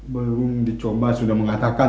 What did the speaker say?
belum dicoba sudah mengatakan